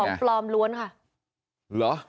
ของปลอมล้วนค่ะ